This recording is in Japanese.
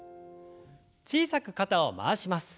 小さく肩を回します。